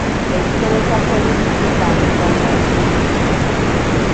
Ekitebe kya poliisi kisangibwa Naguru.